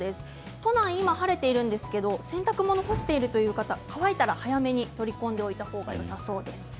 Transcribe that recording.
都内は今、晴れていますが洗濯物を干している方は乾いたら早めに取り込んだ方がよさそうです。